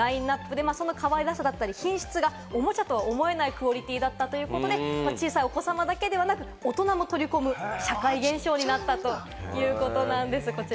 当時はおうちと１１種類の家具、そして９種類のファミリーのラインナップで、そのかわいらしさだったり品質がおもちゃとは思えないクオリティーだったということで、小さいお子様だけではなく、大人も取り込む社会現象になったということなんです。